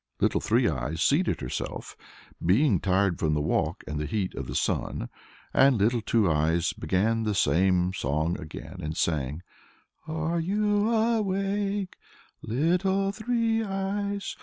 Little Three Eyes seated herself, being tired from the walk and the heat of the sun, and Little Two Eyes began the same song again, and sang, "Are you awake, Little Three Eyes?"